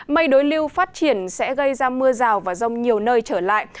mây đối lưu phát triển sẽ gây ra mưa rào và rông nhiều nơi trở lại